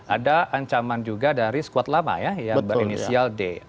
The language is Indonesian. ada ancaman juga dari skuad lama ya yang berinisial d